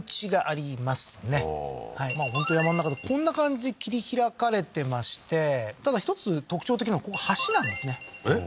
本当山の中でこんな感じで切り拓かれてましてただ１つ特徴的なのがここ橋なんですねえっ？